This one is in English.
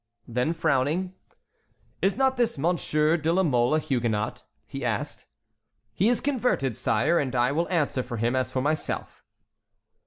Then frowning: "Is not this Monsieur de la Mole a Huguenot?" he asked. "He is converted, sire, and I will answer for him as for myself."